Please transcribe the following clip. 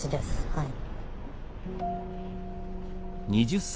はい。